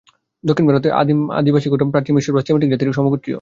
দক্ষিণ-ভারতের আদিম অধিবাসিগণ প্রাচীন মিশর বা সেমিটিক জাতির সমগোত্রীয়।